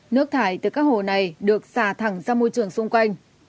nước thải từ các hồ này được xả thẳng ra môi trường xung quanh